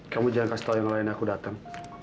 kamu jangan kasih tau yang lain aku dateng